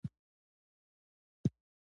د ابجوش ممیز صادراتي ارزښت لري.